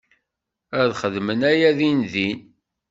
Ad xedmen aya dindin.